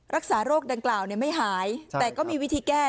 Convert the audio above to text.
รักษาโรคดังกล่าวไม่หายแต่ก็มีวิธีแก้